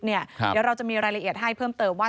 เดี๋ยวเราจะมีรายละเอียดให้เพิ่มเติมว่า